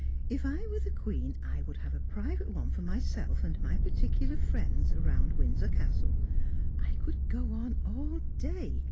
If I were the Queen I would have a private one for myself, and my particular friends, round Windsor Castle; I could go on all day.